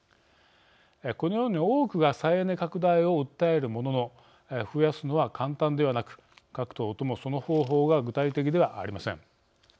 このように多くが再エネ拡大を訴えるものの増やすのは簡単ではなく各党ともその方法が具体的ではありません。